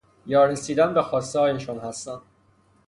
یا رسیدن به خواسته هایشان هستند.